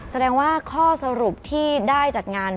แสดงว่าข้อสรุปที่ได้จัดงาน